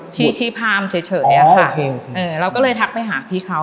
ชีพรามเฉยเฉยแหละค่ะอ๋อโอเคโอเคเออเราก็เลยทักไปหาพี่เขา